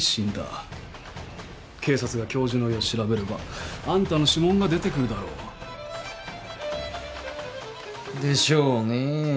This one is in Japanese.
警察が教授の家を調べればあんたの指紋が出てくるだろう。でしょうね。